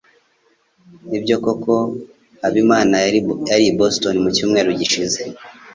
Nibyo koko Habimana yari i Boston mucyumweru gishize?